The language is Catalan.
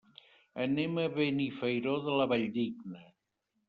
Anem a Benifairó de la Valldigna.